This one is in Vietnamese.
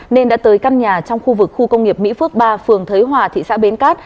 nên đã tới căn nhà trong khu vực khu công nghiệp mỹ phước ba phường thới hòa thị xã bến cát